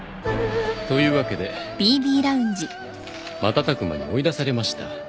というわけで瞬く間に追い出されました。